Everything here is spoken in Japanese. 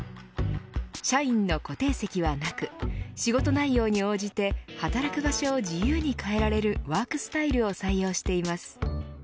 社員の固定席はなく仕事内容に応じて働く場所を自由に変えられるワークスタイルを採用しています。